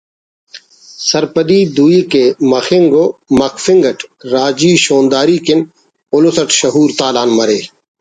سرپدی دوئی کے مخنگ و مخفنگ اٹ راجی شونداری کن الس اٹ شعور تالان مرے